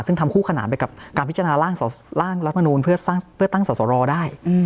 ซึ่งทำคู่ขนานไปกับการพิจารณาร่างรัฐมนูลเพื่อตั้งสอสรได้